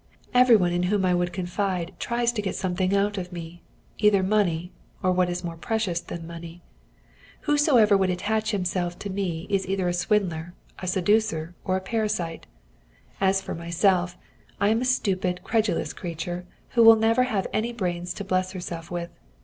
Every one in whom I would confide tries to get something out of me either money, or what is more precious than money. Whosoever would attach himself to me is either a swindler, or a seducer, or a parasite. As for myself, I am a stupid, credulous creature, who will never have any brains to bless herself with.